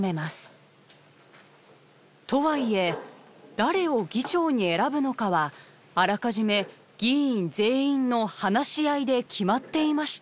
とはいえ誰を議長に選ぶのかはあらかじめ議員全員の話し合いで決まっていました。